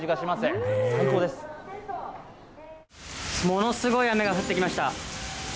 ものすごい雨が降ってきました。